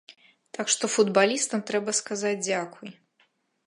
Так што футбалістам трэба сказаць дзякуй.